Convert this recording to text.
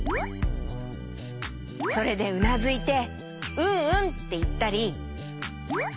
それでうなずいて「うんうん」っていったり。